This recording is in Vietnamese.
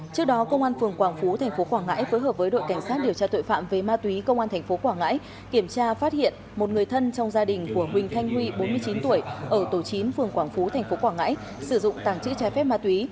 trước đó công an phường quảng phú tp quảng ngãi phối hợp với đội cảnh sát điều tra tội phạm về ma túy công an tp quảng ngãi kiểm tra phát hiện một người thân trong gia đình của huỳnh thanh huy bốn mươi chín tuổi ở tổ chín phường quảng phú tp quảng ngãi sử dụng tàng chữ trái phép ma túy